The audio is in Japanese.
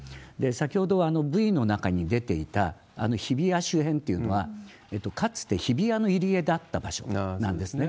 先ほど、Ｖの中に出ていたあの日比谷周辺っていうのは、かつて日比谷の入り江だった場所なんですね。